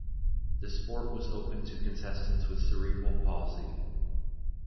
The sport was open to contestants with cerebral palsy.